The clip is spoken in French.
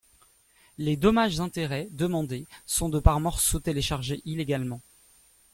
Les dommages-intérêts demandés sont de par morceau téléchargé illégalement.